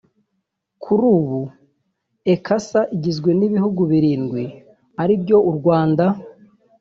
Kuri ubu Ecassa igizwe n’ibihugu birindwi ari byo u Rwanda